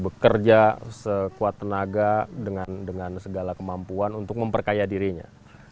bekerja sekuat tenaga dengan segala kemampuan untuk memperkaya dirinya